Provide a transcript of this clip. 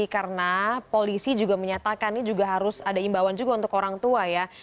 karena polisi juga menyatakan ini juga harus ada imbauan juga untuk orang tua ya